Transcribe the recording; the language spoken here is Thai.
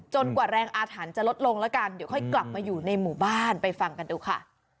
กว่าแรงอาถรรพ์จะลดลงแล้วกันเดี๋ยวค่อยกลับมาอยู่ในหมู่บ้านไปฟังกันดูค่ะ